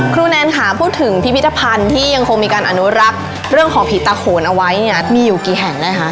แนนค่ะพูดถึงพิพิธภัณฑ์ที่ยังคงมีการอนุรักษ์เรื่องของผีตาโขนเอาไว้เนี่ยมีอยู่กี่แห่งนะคะ